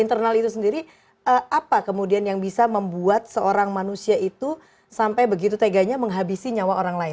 internal itu sendiri apa kemudian yang bisa membuat seorang manusia itu sampai begitu teganya menghabisi nyawa orang lain